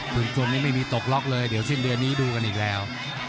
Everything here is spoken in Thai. คุณสุรัสไม่มีตกหรอกเลยเดี๋ยวสิ้นเรือนี้ดูกันอีกแล้ว